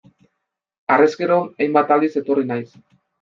Harrezkero, hainbat aldiz etorri naiz.